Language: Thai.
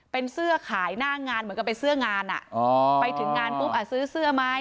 เป็นเสื้อขายหน้างานเหมือนกับเป็นเสื้องานอ่ะอ๋อไปถึงงานปุ๊บอ่ะซื้อเสื้อไหม